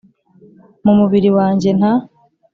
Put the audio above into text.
Mu mubiri wanjye nta